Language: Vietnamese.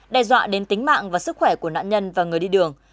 đe dọa đến tính mạng và sức khỏe của nạn nhân và người đi đường